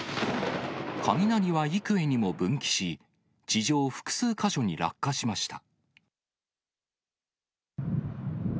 雷は幾重にも分岐し、地上複数箇所に落下しました。